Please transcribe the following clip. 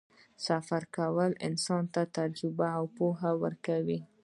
سفر کول انسان ته تجربه او پوهه ورکوي.